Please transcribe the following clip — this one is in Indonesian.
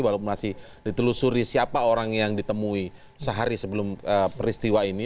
walaupun masih ditelusuri siapa orang yang ditemui sehari sebelum peristiwa ini